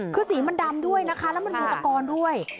คือสีมันดำด้วยนะคะแล้วมันมีตะกอนด้วย